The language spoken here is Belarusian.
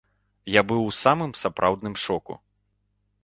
Я быў у самым сапраўдным шоку.